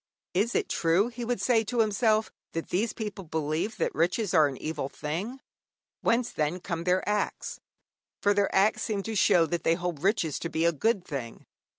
Is it true, he would say to himself, that these people believe that riches are an evil thing? Whence, then, come their acts, for their acts seem to show that they hold riches to be a good thing?